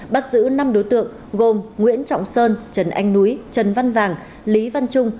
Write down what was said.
bắt giữ năm đối tượng gồm nguyễn trọng sơn trần anh núi trần văn vàng lý văn trung